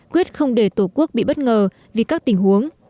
quyết không để tổ quốc bị bất ngờ vì các tình huống